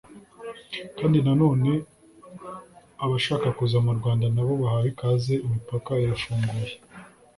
kandi nanone abashaka kuza mu Rwanda na bo bahawe ikaze imipaka irafunguye